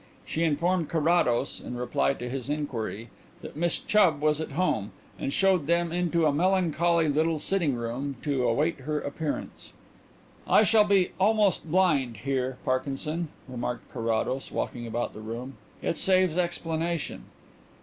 She informed Carrados, in reply to his inquiry, that Miss Chubb was at home, and showed them into a melancholy little sitting room to await her appearance. "I shall be 'almost' blind here, Parkinson," remarked Carrados, walking about the room. "It saves explanation."